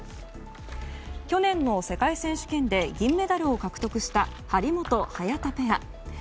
去年の世界選手権で銀メダルを獲得した張本、早田ペア。